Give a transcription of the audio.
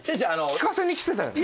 聞かせに来てたよね？